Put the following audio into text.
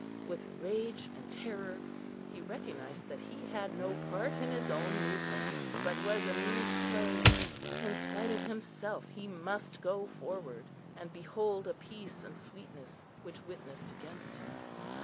With rage and terror he recognised that he had no part in his own movements, but was a mere slave. In spite of himself he must go forward and behold a peace and sweetness which witnessed against him.